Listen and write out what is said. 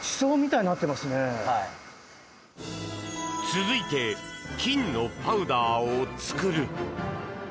続いて、金のパウダーを作る！